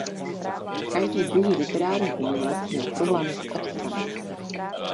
Každý druhý literární umělec měl problémy s otcem.